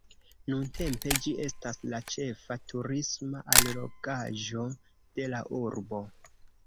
Nuntempe ĝi estas la ĉefa turisma allogaĵo de la urbo.